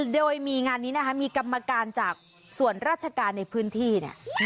โดยมีงานนี้นะคะมีกรรมการจากส่วนราชการในพื้นที่เนี่ย